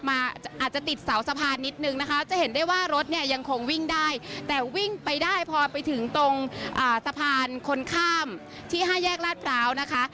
อาจจะติดเสาสะพานนิดนึงนะคะจะเห็นได้ว่ารถเนี่ยยังคงวิ่งได้แต่วิ่งไปได้พอไปถึงตรงสะพานคนข้ามที่๕แยกลาดพร้าวนะคะ